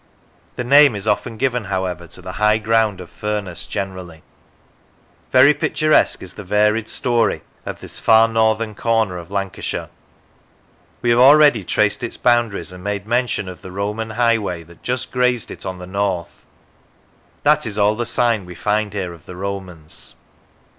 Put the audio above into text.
The name is often given, however, to the higrrground of Furness generally. Very picturesque is the varied story of this far 167 Lancashire northern corner of Lancashire. We have already traced its boundaries and made mention of the Roman highway that just grazed it on the north. That is all the sign we find here of the Romans.